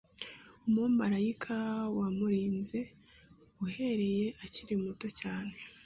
Umumarayika wamurinze uhereye akiri muto cyane